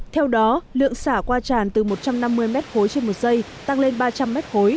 theo đó lượng xả qua tràn từ một trăm năm mươi m ba trên một giây tăng lên ba trăm linh m ba